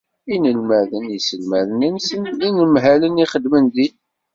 Inelmaden, iselmaden-nsen d yinemhalen i ixeddmen dinna.